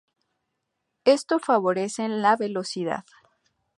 Esto favorece en la velocidad.